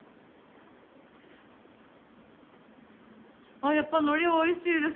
あやっぱのりおいしいです